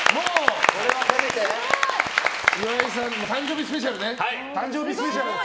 萬田さん、誕生日スペシャルね。